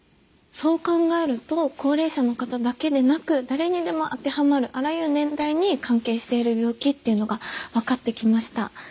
そう考えると高齢者の方だけでなく誰にでも当てはまるあらゆる年代に関係している病気っていうのが分かってきました。